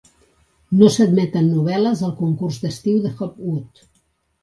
No s'admeten novel·les al concurs d'estiu de Hopwood.